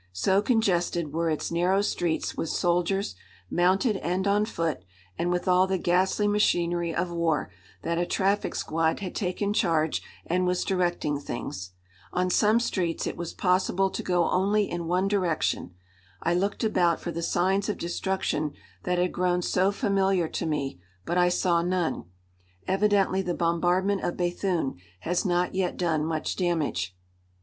So congested were its narrow streets with soldiers, mounted and on foot, and with all the ghastly machinery of war, that a traffic squad had taken charge and was directing things. On some streets it was possible to go only in one direction. I looked about for the signs of destruction that had grown so familiar to me, but I saw none. Evidently the bombardment of Béthune has not yet done much damage.